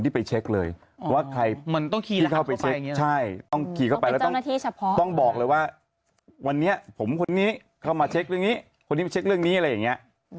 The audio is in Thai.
ต้องบอกเลยว่าวันนี้ผมคนนี้เข้ามาเช็คเรื่องนี้คนนี้มาเช็คเรื่องนี้อะไรอย่างเงี้ย